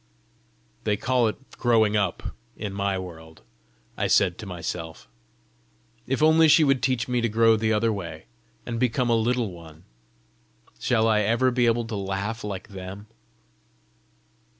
"They call it growing up in my world!" I said to myself. "If only she would teach me to grow the other way, and become a Little One! Shall I ever be able to laugh like them?"